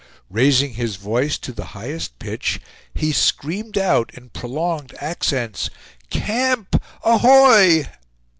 Raising his voice to the highest pitch, he screamed out in prolonged accents, "Camp, ahoy!"